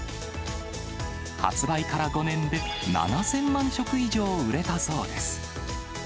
発売から５年で７０００万食以上売れたそうです。